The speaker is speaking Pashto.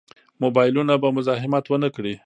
موبایلونه به مزاحمت ونه کړي.